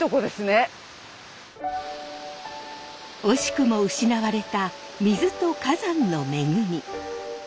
惜しくも失われた水と火山の恵み。